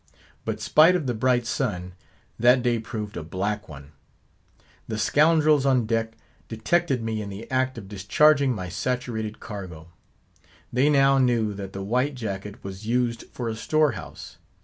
But spite of the bright sun, that day proved a black one. The scoundrels on deck detected me in the act of discharging my saturated cargo; they now knew that the white jacket was used for a storehouse.